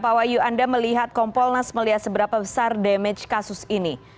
pak wahyu anda melihat kompolnas melihat seberapa besar damage kasus ini